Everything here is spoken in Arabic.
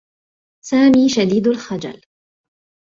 سامي شديد الخجل.